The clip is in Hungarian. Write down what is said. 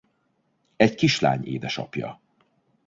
Egy kislány édesapja.